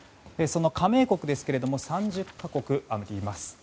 その加盟国ですけども３０か国あります。